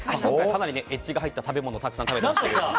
かなりエッジが入った食べ物をたくさん食べてましたが。